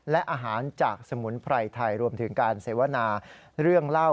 และอาหารจากสมุนไพรไทยรวมถึงการเสวนาเรื่องเล่า